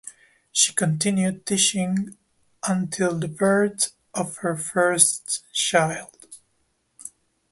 She continued teaching until the birth of her first child.